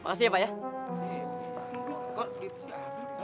makasih ya pak ya